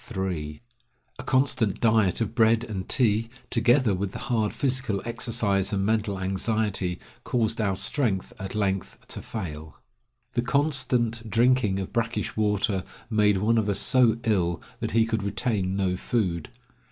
A constant diet of bread and tea, together with the hard physical exercise and mental anxiety, caused our strength at length to fail. The constant drinking of brackish water made one of us so ill that he could retain no food.